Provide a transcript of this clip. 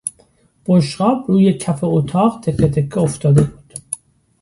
بشقاب روی کف اتاق تکهتکه افتاده بود.